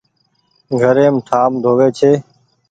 گهريم ٺآم ڌووي ڇي ۔